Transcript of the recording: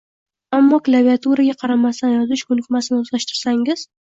Ammo klaviaturaga qaramasdan yozish ko’nikmasini o’zlashtirsangiz